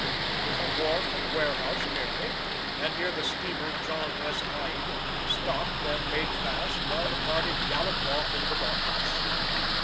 It is a wharf and warehouse merely, and here the steamer John S. Ide stopped and made fast, while the party galloped off in the darkness.